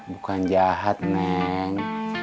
bukan jahat neng